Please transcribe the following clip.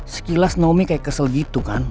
sekilas nomi kayak kesel gitu kan